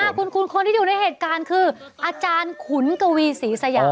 คุณคนที่อยู่ในเหตุการณ์คืออาจารย์ขุนกวีศรีสยาม